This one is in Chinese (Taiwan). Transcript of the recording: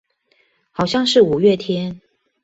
好像是五月天